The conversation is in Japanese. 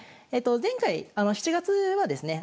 前回７月はですね